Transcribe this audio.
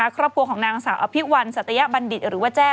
ครอบครัวของนางสาวอภิวัลสัตยบัณฑิตหรือว่าแจ้